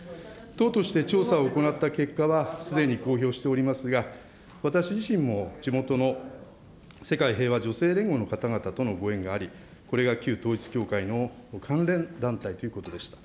党として調査を行った結果は、すでに公表しておりますが、私自身も、地元の世界平和女性連合の方々とのご縁があり、これが旧統一教会の関連団体ということでした。